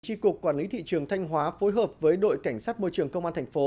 tri cục quản lý thị trường thanh hóa phối hợp với đội cảnh sát môi trường công an thành phố